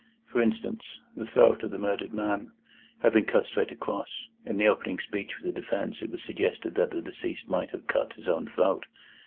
For instance: the throat of the murdered man had been cut straight across. In the opening speech for the defence, it was suggested that the deceased might have cut his own throat.